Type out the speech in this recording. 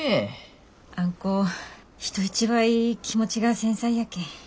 あん子人一倍気持ちが繊細やけん。